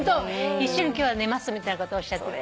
「一緒に今日は寝ます」みたいなことおっしゃって。